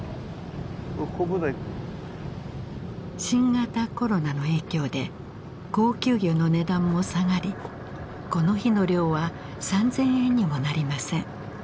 新型コロナの影響で高級魚の値段も下がりこの日の漁は３，０００円にもなりません。